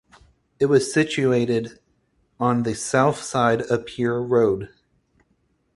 It was situated on the south side of Pier Road.